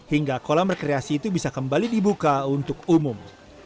hingga kolam rekreasi itu bisa kembali dibuka untuk umum